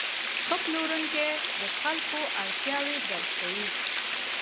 ښه پلورونکی د خلکو اړتیاوې درک کوي.